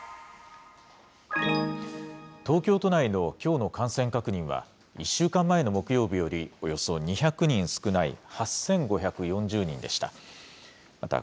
東京都内のきょうの感染確認は、１週間前の木曜日よりおよそ２００人少ない８５４０人でした。